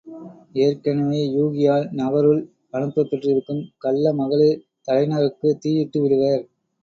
ஏற்கெனவே யூகியால் நகருள் அனுப்பப் பெற்றிருக்கும் கள்ள மகளிர், தலை நகருக்குத் தீயிட்டுவிடுவர்.